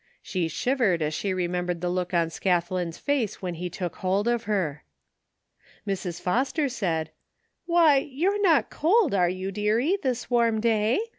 She shivered as she remembered the look on Scathlin's face when he took hold of her. Mrs. Foster said :" Why, you're not cold, are you, dearie, this warm day